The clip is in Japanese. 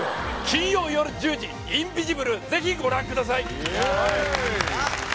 金曜夜１０時「インビジブル」ぜひご覧ください！